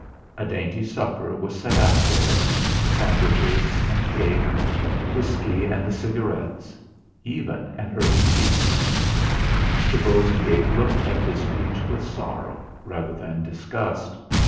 A dainty supper was set out there, sandwiches, and cake, whisky and the cigarettes even an early peach. Mr. Bosengate looked at this peach with sorrow rather than disgust.